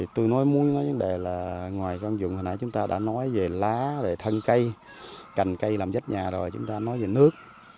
tôi nói vấn đề là ngoài công dụng chúng ta đã nói về lá thân cây cành cây làm dách nhà rồi chúng ta nói về nước